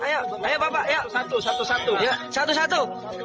ayo ayo bapak satu satu satu satu satu